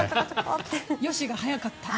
よし！が早かった。